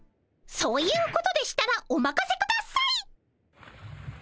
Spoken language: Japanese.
そういうことでしたらおまかせください！